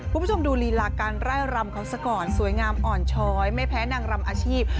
คุณผู้ชมดูลีลาการไล่รำเขาซะก่อนสวยงามอ่อนช้อยไม่แพ้นางรำอาชีพ